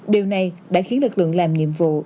điều này đã khiến lực lượng làm nhiệm vụ